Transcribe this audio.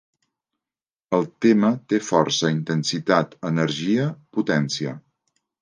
El tema té força, intensitat, energia, potència.